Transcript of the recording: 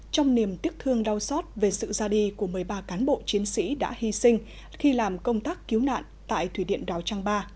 trong niềm tiếc thương đau xót về sự ra đi của một mươi ba cán bộ chiến sĩ đã hy sinh khi làm công tác cứu nạn tại thủy điện đào trang ba